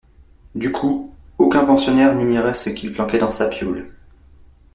Du coup, aucun pensionnaire n’ignorait ce qu’il planquait dans sa piaule